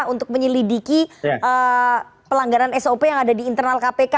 untuk menyelidiki pelanggaran sop yang ada di internal kpk